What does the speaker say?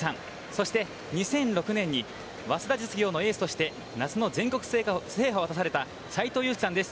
そして２００６年に早稲田実業のエースとして夏の全国制覇を果たされた斎藤佑樹さんです。